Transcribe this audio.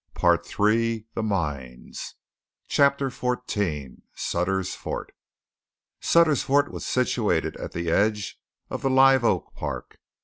PART III THE MINES CHAPTER XIV SUTTER'S FORT Sutter's Fort was situated at the edge of the live oak park.